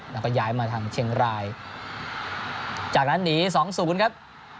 แล้วก็ย้ายมาทางเชียงรายจากนั้นหนีสองศูนย์ครับ